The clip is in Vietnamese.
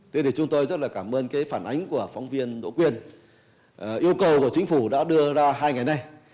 thế thì chúng tôi rất là cảm ơn cái phản ánh của phóng viên đỗ quyền yêu cầu của chính phủ đã đưa ra hai ngày nay